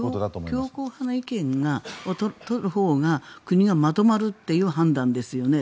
強硬派の意見を取るほうが国がまとまるという判断ですよね？